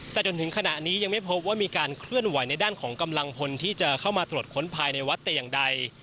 แต่จนถึงขณะนี้ยังไม่พบว่ามีการเคลื่อนไหวในด้านของกำลังพลที่จะเข้ามาตรวจค้นภายในวัดแต่อย่างใด